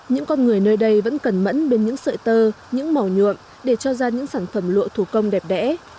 những con người nơi đây vẫn cần mẫn bên những sợi tơ những màu nhuộm để cho ra những sản phẩm lụa thủ công đẹp đẽ